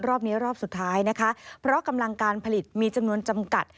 รอบนี้รอบสุดท้ายนะคะเพราะกำลังการผลิตมีจำนวนจำกัด